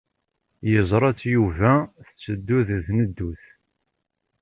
Yeẓra-tt Yuba tetteddu deg tneddut.